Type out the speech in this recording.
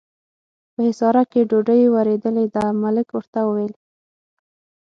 په حصارک کې ډوډۍ ورېدلې ده، ملک ورته وویل.